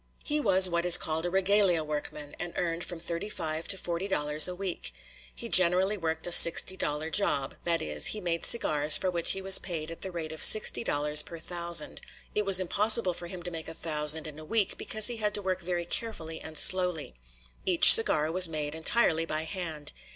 He was what is called a regalia workman, and earned from thirty five to forty dollars a week. He generally worked a sixty dollar job; that is, he made cigars for which he was paid at the rate of sixty dollars per thousand. It was impossible for him to make a thousand in a week because he had to work very carefully and slowly. Each cigar was made entirely by hand.